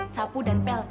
sapu dan pel